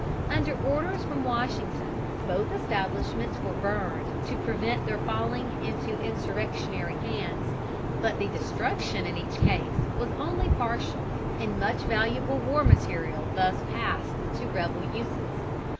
Under orders from Washington, both establishments were burned to prevent their falling into insurrectionary hands; but the destruction in each case was only partial, and much valuable war material thus passed to rebel uses.